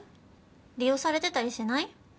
利用されてたりしない？